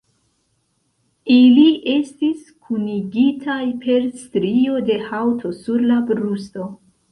Ili estis kunigitaj per strio de haŭto sur la brusto.